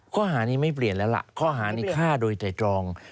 ข้อหานี้ไม่เปลี่ยนแล้วล่ะข้อหานี้ฆ่าโดยไตรตรอง